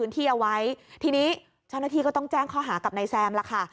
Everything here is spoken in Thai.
เอาไว้ทีนี้เจ้าหน้าที่ก็ต้องแจ้งข้อหากับนายแซมล่ะค่ะ